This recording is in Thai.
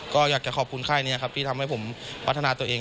ก็อยากจะขอบคุณค่ายนี้ครับที่ทำให้ผมพัฒนาตัวเอง